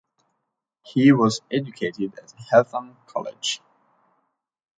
He was educated at Eltham College.